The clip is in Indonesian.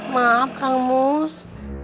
maaf kang mus